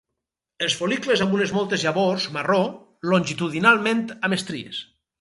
Els fol·licles amb unes moltes llavors, marró, longitudinalment amb estries.